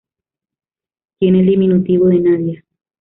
Tiene el diminutivo de Nadia.